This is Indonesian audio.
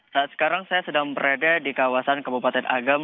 saat sekarang saya sedang berada di kawasan kabupaten agam